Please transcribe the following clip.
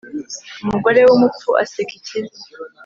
Umugore w’umupfu aseka ikibi.